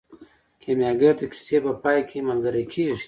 کیمیاګر د کیسې په پای کې ملګری کیږي.